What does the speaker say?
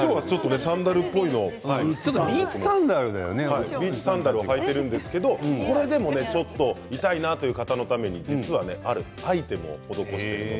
今日はサンダルっぽいのビーチサンダルを履いてるんですけどこれでもちょっと痛いなという方のために実はあるアイテムをお届けします。